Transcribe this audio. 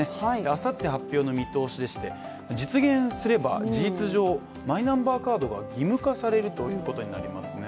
あさって発表の見通しでして実現すれば事実上マイナンバーカードが義務化されるということになりますね。